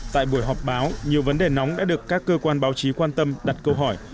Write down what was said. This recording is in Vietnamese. tại buổi họp báo nhiều vấn đề nóng đã được các cơ quan báo chí quan tâm đặt câu hỏi